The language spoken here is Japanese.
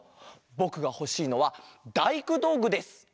ぼくがほしいのはだいくどうぐです。